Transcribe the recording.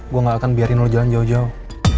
gue gak akan biarin lo jalan jauh jauh